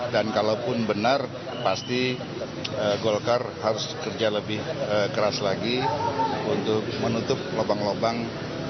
dan kalau pun benar pasti golkar harus kerja lebih keras lagi untuk menutup lubang lubang